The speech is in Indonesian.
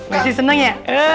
mesi seneng ya